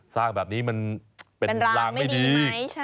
สร้างแบบนี้มันเป็นลางไม่ดี